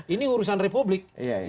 ini urusan republik